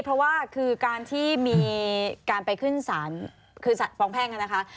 เพราะว่าคือการที่มีการไปขึ้นฟ้องแพงกันนะคะ